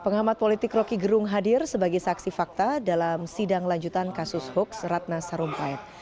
pengamat politik roky gerung hadir sebagai saksi fakta dalam sidang lanjutan kasus hoaks ratna sarumpait